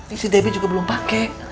ini si debbie juga belum pake